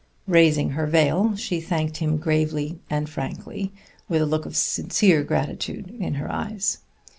Raising her veil, she thanked him gravely and frankly, with a look of sincere gratitude in her eyes.